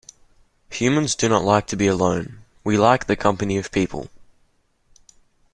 Humans do not like to be alone, we like the company of people.